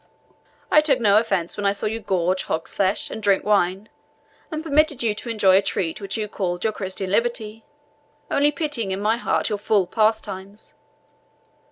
I took no offence when I saw you gorge hog's flesh and drink wine, and permitted you to enjoy a treat which you called your Christian liberty, only pitying in my heart your foul pastimes.